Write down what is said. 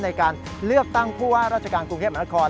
ในการเลือกตั้งผู้ว่าราชการกรุงเทพมหานคร